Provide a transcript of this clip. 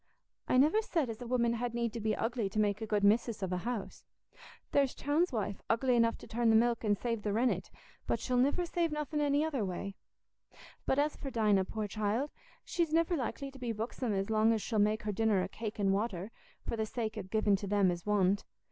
"I niver said as a woman had need to be ugly to make a good missis of a house. There's Chowne's wife ugly enough to turn the milk an' save the rennet, but she'll niver save nothing any other way. But as for Dinah, poor child, she's niver likely to be buxom as long as she'll make her dinner o' cake and water, for the sake o' giving to them as want.